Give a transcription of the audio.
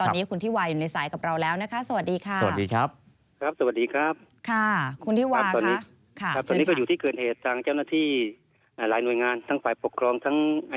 ตอนนี้คุณที่วาอยู่ในสายกับเราแล้วนะคะสวัสดีค่ะ